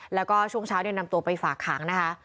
แล้วก็ช่วงเช้านำตัวไปฝากขังนะคะ